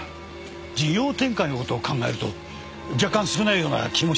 事業展開の事を考えると若干少ないような気もしますがね。